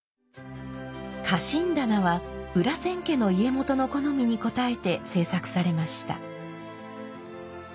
佳辰棚は裏千家の家元の好みに応えて制作されました。